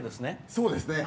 そうですね。